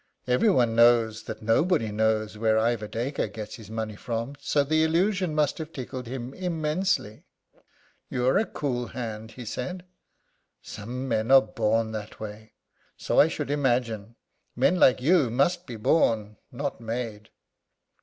Everybody knows that nobody knows where Ivor Dacre gets his money from, so the illusion must have tickled him immensely. "You're a cool hand," he said. "Some men are born that way." "So I should imagine. Men like you must be born, not made."